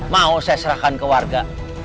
mau saya serahkan ke warga